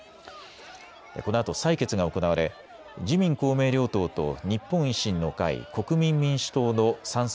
このあと採決が行われ自民公明両党と日本維新の会、国民民主党の賛成